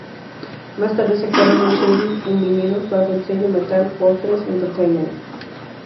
Más tarde sacaron un single en vinilo bajo el sello Metal Fortress Entertainment.